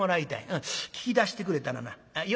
聞き出してくれたらなよ